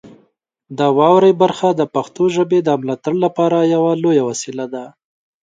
د واورئ برخه د پښتو ژبې د ملاتړ لپاره یوه لویه وسیله ده.